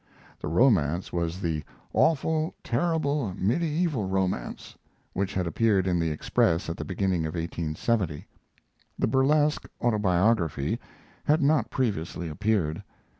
The Romance was the "Awful, Terrible Medieval Romance" which had appeared in the Express at the beginning of 1870. The burlesque autobiography had not previously appeared.